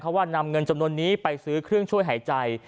เพราะว่านำเงินจำนวนนี้ไปซื้อเครื่องช่วยหายใจ